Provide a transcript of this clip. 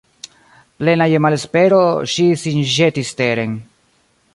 Plena je malespero, ŝi sin ĵetis teren.